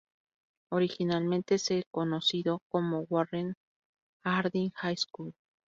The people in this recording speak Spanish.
Originalmente se conocido como "Warren G. Harding High School".